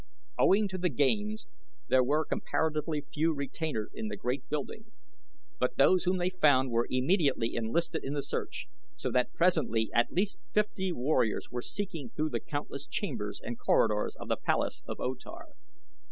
Owing to the games there were comparatively few retainers in the great building, but those whom they found were immediately enlisted in the search, so that presently at least fifty warriors were seeking through the countless chambers and corridors of the palace of O Tar.